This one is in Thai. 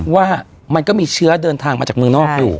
ว่ามันก็มีเชื้อเดินทางมาจากเมืองนอกอยู่